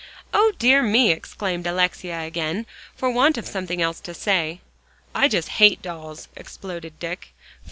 "O dear me!" exclaimed Alexia again, for want of something else to say. "I just hate dolls," exploded Dick.